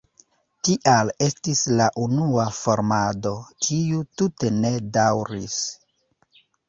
Tial estis la unua formado, kiu tute ne daŭris.